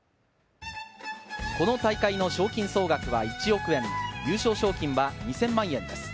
この大会の賞金総額は１億円、優勝賞金は２０００万円です。